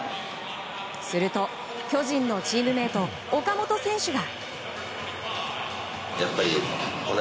すると巨人のチームメート岡本選手が。